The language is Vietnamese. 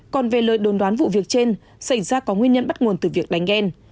còn về lời đồn đoán vụ việc trên xảy ra có nguyên nhân bắt nguồn từ việc đánh ghen